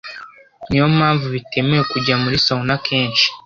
Niyo mpamvu bitemewe kujya muri sauna kenshi